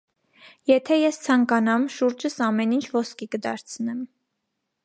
Եթե ես ցանկանամ, շուրջս ամեն ինչ ոսկի կդարձնեմ։